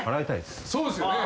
そうですよね。